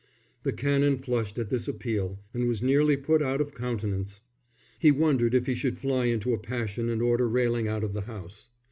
The Canon flushed at this appeal and was nearly put out of countenance. He wondered if he should fly into a passion and order Railing out of the house.